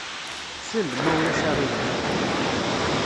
Sel, ma ulac aɣilif.